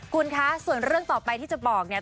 คุณคะส่วนเรื่องต่อไปที่จะบอกเนี่ย